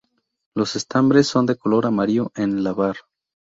Los estambres son de color amarillo en la "var.